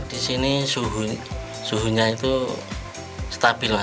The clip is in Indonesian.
di sini suhunya itu stabil